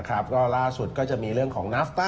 แล้วล่าสุดก็คือจะมีเรื่องของนัฟทระ